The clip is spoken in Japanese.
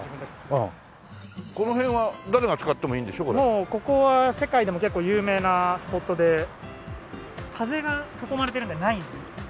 もうここは世界でも結構有名なスポットで風が囲まれてるんでないんです。